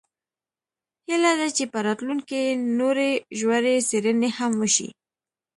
هیله ده چې په راتلونکي کې نورې ژورې څیړنې هم وشي